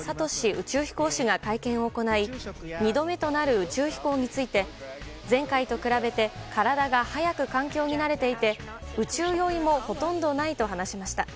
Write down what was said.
宇宙飛行士が会見を行い２度目となる宇宙飛行について前回と比べて体が早く環境に慣れていて宇宙酔いもほとんどないと話しました。